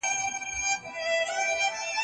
په قدمو دې خدای مئين کړم